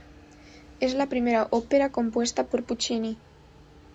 Es la primera ópera compuesta por Puccini.